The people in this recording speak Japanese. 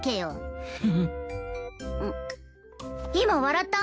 今笑った？